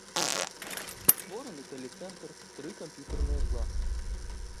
Створаны тэлецэнтр, тры камп'ютарныя класы.